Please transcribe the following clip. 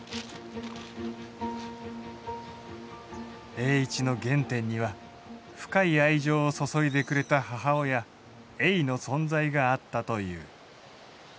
栄一の原点には深い愛情を注いでくれた母親ゑいの存在があったという。